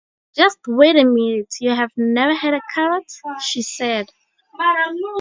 "just wait a minute, you have never had a carrot?", she said.